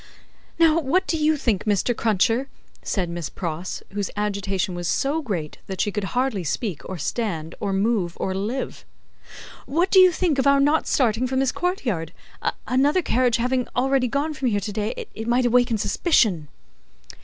"Now what do you think, Mr. Cruncher," said Miss Pross, whose agitation was so great that she could hardly speak, or stand, or move, or live: "what do you think of our not starting from this courtyard? Another carriage having already gone from here to day, it might awaken suspicion."